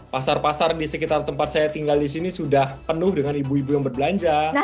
pasar pasar di sekitar tempat saya tinggal disini sudah penuh dengan ibu ibu yang berbelanja